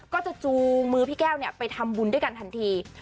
จูงมือพี่แก้วไปทำบุญด้วยกันทันที